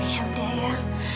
ya udah eyang